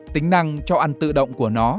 tính năng cho ăn tự động của nó